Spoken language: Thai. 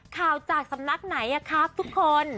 จากสำนักไหนครับทุกคน